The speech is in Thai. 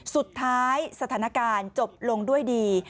สุดท้ายสถานการณ์จบลงด้วยดี